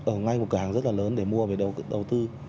ở ngay một cửa hàng rất là lớn để mua về đầu tư